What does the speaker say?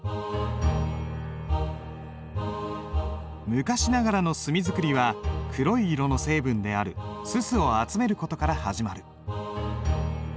昔ながらの墨作りは黒い色の成分である煤を集める事から始まる。